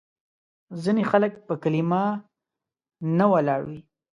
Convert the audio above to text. ځینې خلک په کلیمه نه ولاړ وي.